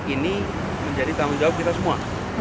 ini menjadi tanggung jawab kita semua